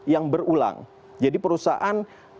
yang berulang jadi perusahaan